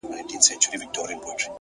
هره ورځ د ځان سمون فرصت لري.